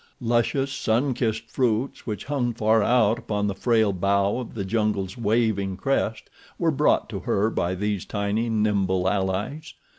Luscious, sun kissed fruits which hung far out upon the frail bough of the jungle's waving crest were brought to her by these tiny, nimble allies.